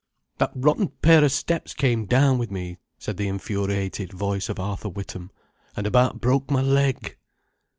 "That rotten pair of steps came down with me," said the infuriated voice of Arthur Witham, "and about broke my leg."